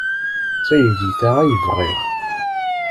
D taydit-a ay bɣiɣ.